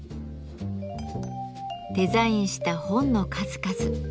デザインした本の数々。